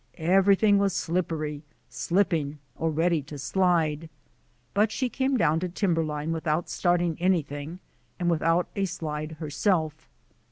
Everything was slippery, slipping, or ready to slide. But she came down to timberline without starting anything and without a slide herself.